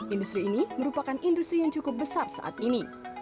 industri ini merupakan industri yang cukup besar saat ini